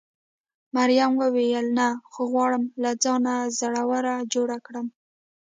مريم وویل: نه، خو غواړم له ځانه زړوره جوړه کړم.